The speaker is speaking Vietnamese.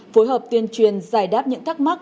phối hợp tuyên truyền giải đáp những thắc mắc